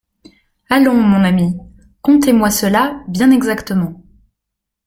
Allons, mon ami, contez-moi cela bien exactement.